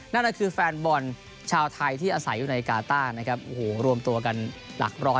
นั่นก็คือแฟนบอลชาวไทยที่อาศัยอยู่ในกาต้านะครับโอ้โหรวมตัวกันหลักร้อย